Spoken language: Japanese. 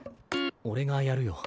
俺がやるよ。